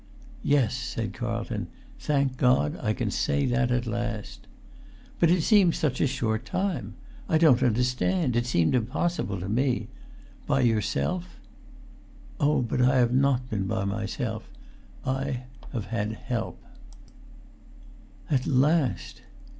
"Yes," said Carlton; "thank God, I can say that at last." "But it seems such a short time! I don't understand. It seemed impossible to me—by yourself?" "Oh, but I have not been by myself. I have had help." "At last!"